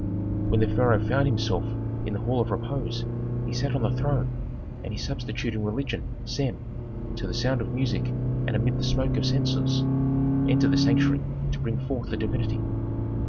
When the pharaoh found himself in the hall of "repose" he sat on the throne, and his substitute in religion, Sem, to the sound of music and amid the smoke of censers, entered the sanctuary to bring forth the divinity.